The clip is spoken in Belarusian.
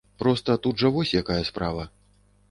Проста тут жа вось якая справа.